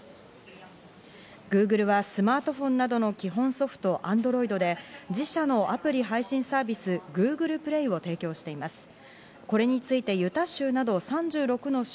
Ｇｏｏｇｌｅはスマートフォンなどの基本ソフトＡｎｄｒｏｉｄで自社のアプリ配信サービスＧｏｏｇｌｅＰｌａｙを提供しています。